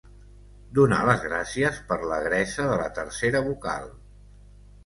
Donar les gràcies per l'agresa de la tercera vocal.